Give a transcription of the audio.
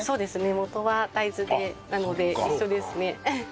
元は大豆なので一緒ですね。